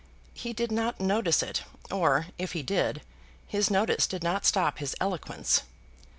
He did not notice it, or, if he did, his notice did not stop his eloquence.